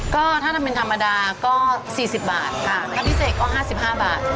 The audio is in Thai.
ก็ถ้าทำเป็นธรรมดาก็๔๐บาทค่ะถ้าพิเศษก็๕๕บาท